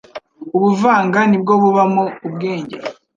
ubuvanga ni bwo bubamo ubwenge